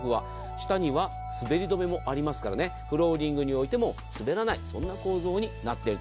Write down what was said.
下には滑り止めもありますからフローリングに置いても滑らないそんな構造になっている。